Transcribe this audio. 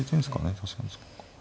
確かにそうか。